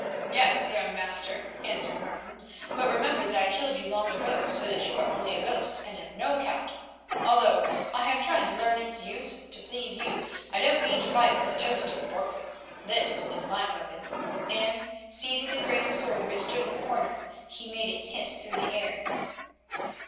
"Yes, young master," answered Martin, "but remember that I killed you long ago, so that you are only a ghost and of no account. Although I have tried to learn its use to please you, I don't mean to fight with a toasting fork. This is my weapon," and, seizing the great sword which stood in the corner, he made it hiss through the air.